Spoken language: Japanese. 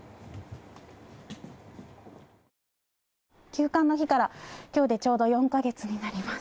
休館の日から今日でちょうど４カ月になります。